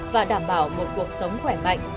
và đảm bảo một cuộc sống khỏe mạnh